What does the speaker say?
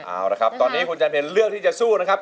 เอาละครับตอนนี้คุณใจเย็นเลือกที่จะสู้นะครับ